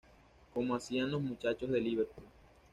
Como hacían los muchachos de Liverpool.